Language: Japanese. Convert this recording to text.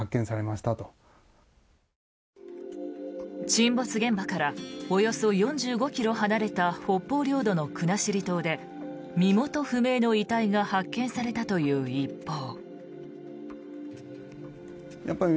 沈没現場からおよそ４５ｋｍ離れた北方領土の国後島で身元不明の遺体が発見されたという一報。